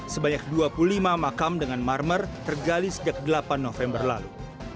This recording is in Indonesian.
sebanyak dua puluh lima makam dengan marmer tergali sejak delapan november lalu